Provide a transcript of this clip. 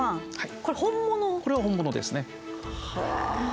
これは本物ですね。